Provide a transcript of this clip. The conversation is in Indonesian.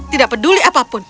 tidak peduli apapun